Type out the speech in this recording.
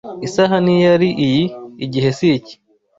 Isaha ntiyari iyi, igihe siki